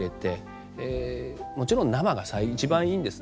もちろん生が一番いいんです。